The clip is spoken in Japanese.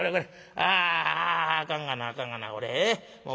ああかんがなあかんがな